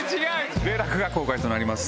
『零落』が公開となります。